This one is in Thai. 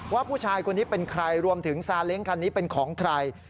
ว่าผู้ชายคนนี้เป็นใครรวมถึงซาเล้งคันนี้เป็นของใคร